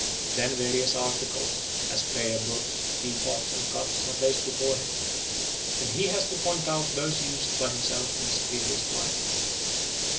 Then various articles, as prayer books, tea pots, and cups, are placed before him, and he has to point out those used by himself in his previous life.